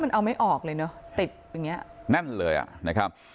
มันเอาไม่ออกเลยเนอะติดอย่างเงี้ยแน่นเลยอ่ะนะครับ